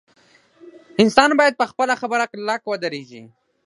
انسان باید په خپله خبره کلک ودریږي.